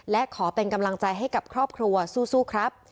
และขอเป็นกำลังใจให้กับครอบครัวสู้ครับ